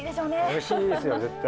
おいしいですよ絶対。